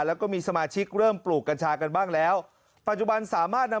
แล้วก็มีสมาชิกเริ่มปลูกกัญชากันบ้างแล้วปัจจุบันสามารถนำ